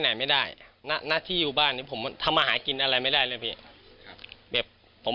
หนักที่อยู่บ้านผมทำอาหารกินอะไรไม่ได้เลย